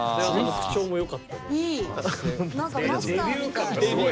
何かマスターみたい。